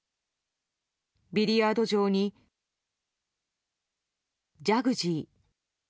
ビリヤード場に、ジャグジー。